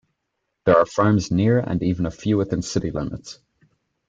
There are farms near and even a few within city limits.